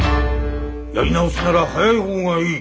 やり直すなら早い方がいい。